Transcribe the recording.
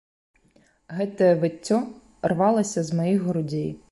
Гэтае выццё рвалася з маіх грудзей.